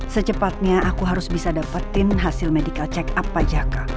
secepatnya aku harus bisa dapetin hasil medical check up pajak